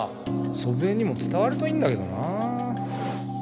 祖父江にも伝わるといいんだけどなあ